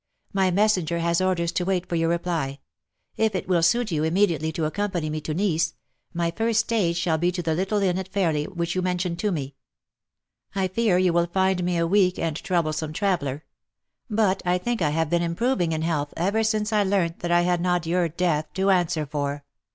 My messenger has orders to wait for your reply. If it will suit you im mediately to accompany me to Nice — my first stage shall be to the little inn at Fairly, which you mentioned to me. I fear you will find me a weak and troublesome traveller ; but I think I have been im proving in health ever since I learnt that I had not your death to answer for.